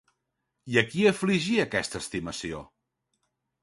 I a qui afligia aquesta estimació?